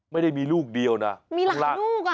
ไม่ได้มีลูกเดียวนะข้างล่างมีหลักลูก